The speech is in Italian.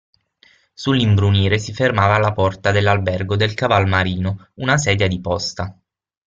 Sull'imbrunire si fermava alla porta dell'Albergo del Caval Marino una sedia di posta.